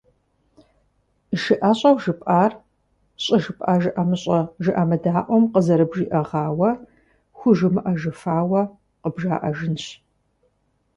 Жыӏэщӏэу жыпӏар щӏыжыпӏа жыӏэмыщӏэ-жыӏэмыдаӏуэм къызэрыбжиӏэгъауэ хужымыӏэжыфауэ къыбжаӏэжынщ.